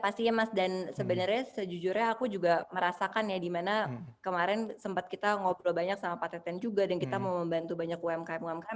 pastinya mas dan sebenarnya sejujurnya aku juga merasakan ya dimana kemarin sempat kita ngobrol banyak sama pak teten juga dan kita mau membantu banyak umkm umkm